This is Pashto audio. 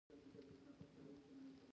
ډاکټر وويل خو اوس يوه خوږه مسکا وکړه.